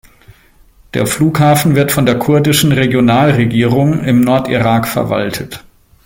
Der Flughafen wird von der kurdischen Regionalregierung im Nordirak verwaltet.